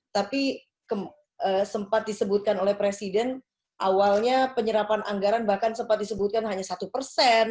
tapi sempat disebutkan oleh presiden awalnya penyerapan anggaran bahkan sempat disebutkan hanya satu persen